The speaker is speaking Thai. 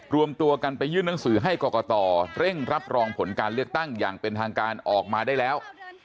รวมตัวกันไปยื่นหนังสือให้กรกตเร่งรับรองผลการเลือกตั้งอย่างเป็นทางการออกมาได้แล้ว